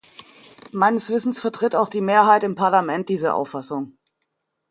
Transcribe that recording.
Meines Wissens vertritt auch die Mehrheit im Parlament diese Auffassung.